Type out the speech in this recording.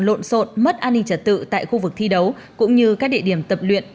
lộn xộn mất an ninh trật tự tại khu vực thi đấu cũng như các địa điểm tập luyện